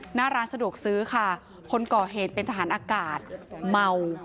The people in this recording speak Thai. หน้าร้านสะดวกซื้อค่ะคนก่อเหตุเป็นทหารอากาศเมา